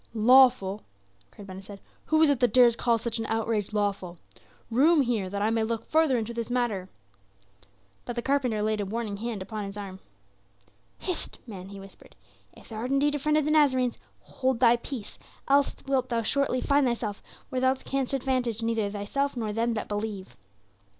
"Lawful!" cried Ben Hesed. "Who is it that dares call such an outrage lawful? Room here! that I may look further into this matter." But the carpenter laid a warning hand upon his arm. "Hist, man," he whispered. "If thou art indeed a friend of the Nazarenes, hold thy peace; else wilt thou shortly find thyself where thou canst advantage neither thyself nor them that believe."